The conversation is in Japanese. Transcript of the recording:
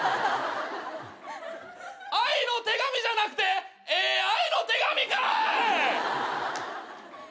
愛の手紙じゃなくてＡＩの手紙かい！